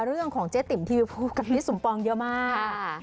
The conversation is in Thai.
เรื่องของเจ๊ติ่มที่พูดกับนิสสมปองเยอะมาก